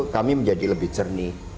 kami menjadi lebih cernih